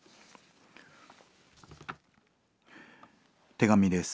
手紙です。